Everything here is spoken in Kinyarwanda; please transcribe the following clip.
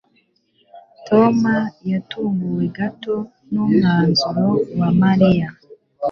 Tom yatunguwe gato numwanzuro wa Mariya.